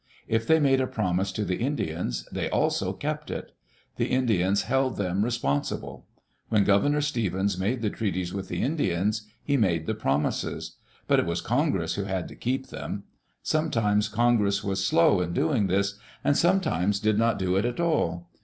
If they made a promise to the Indians, they also kept it. The Indians held them responsible. When Governor Stevens made the treaties with the Indians, he made the promises. But it was Congress who had to keep them. Sometimes Congress was slow in doing this, and sometimes did not do it at all.